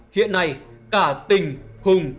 hiện nay cả tình hùng